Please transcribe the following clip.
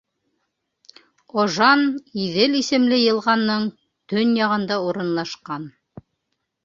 Ожан Иҙел исемле йылғаның төньяғында урынлашҡан.